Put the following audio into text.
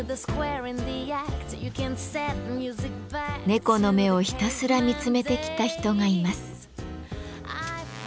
猫の目をひたすら見つめてきた人がいます。